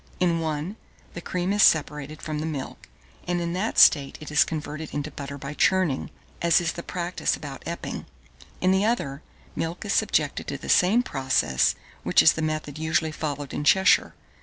In one, the cream is separated from the milk, and in that state it is converted into butter by churning, as is the practice about Epping; in the other, milk is subjected to the same process, which is the method usually followed in Cheshire.